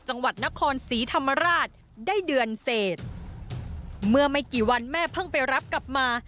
จังหวัดนครศรีธรรมราชได้เดือนเศษเมื่อไม่กี่วันแม่เพิ่งไปรับกลับมา